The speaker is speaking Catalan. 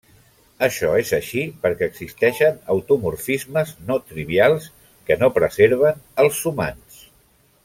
Això és així perquè existeixen automorfismes no-trivials que no preserven els sumands.